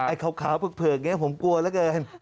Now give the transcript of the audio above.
ไอ้ขาวเผลออย่างนี้ผมกลัวแล้วกัน